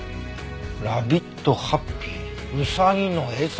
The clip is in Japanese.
ラビットハッピーウサギの餌？